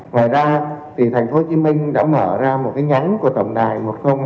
ngoài ra tp hcm đã mở ra một nhắn của tổng đài một nghìn hai mươi hai